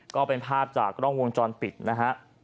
ก็เป็นภาพจากกล้องวงจรปิดนะฮะ